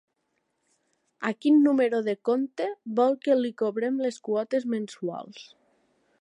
A quin número de compte vol que li cobrem les quotes mensuals?